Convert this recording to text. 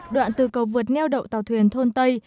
đoạn từ cầu vượt neo đậu tàu thuyền thôn tây